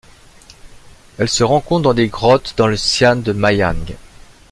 Elle se rencontre dans des grottes dans le xian de Majiang.